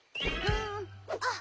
あっ！